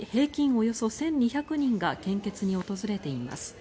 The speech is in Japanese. およそ１２００人が献血に訪れています。